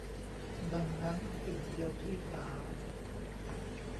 ดังนั้นสิ่งเดียวที่สาว